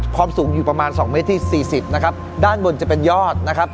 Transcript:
ความสูงอยู่ประมาณสองเมตรที่สี่สิบนะครับด้านบนจะเป็นยอดนะครับ